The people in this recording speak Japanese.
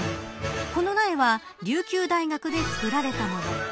この苗は琉球大学で作られたもの。